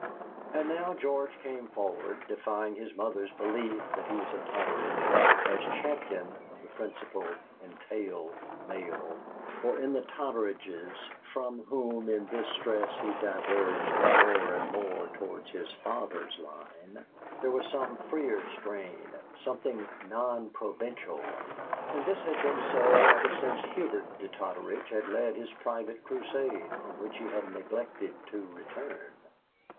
And now George came forward, defying his mother's belief that he was a Totteridge, as champion of the principle in tail male; for in the Totteridges, from whom in this stress he diverged more and more towards his father's line, there was some freer strain, something non provincial, and this had been so ever since Hubert de Totteridge had led his private crusade, from which he had neglected to return.